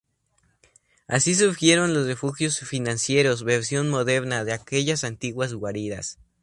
Así surgieron los refugios financieros, versión moderna de aquellas antiguas guaridas.